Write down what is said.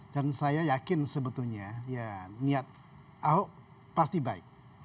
dan saya yakin sebetulnya ya niat ahok pasti baik